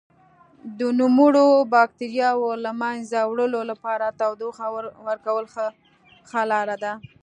د نوموړو بکټریاوو له منځه وړلو لپاره تودوخه ورکول ښه لاره ده.